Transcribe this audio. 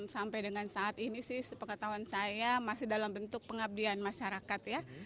sampai dengan saat ini sih sepengetahuan saya masih dalam bentuk pengabdian masyarakat ya